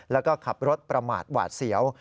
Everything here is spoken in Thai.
แล้วก็ขับรถประมาทหวาดเสียว